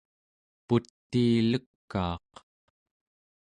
putiilekaaq